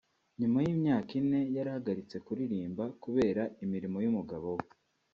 nyuma y’imyaka ine yarahagaritse kuririmba kubera imirimo y’umugabo we